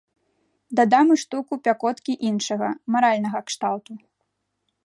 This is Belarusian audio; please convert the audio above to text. Дадам і штуку пякоткі іншага, маральнага кшталту.